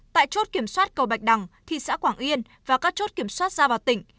tại chốt kiểm soát cầu bạch đằng thị xã quảng yên và các chốt kiểm soát ra vào tỉnh